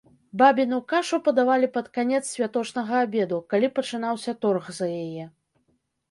Бабіну кашу падавалі пад канец святочнага абеду, калі пачынаўся торг за яе.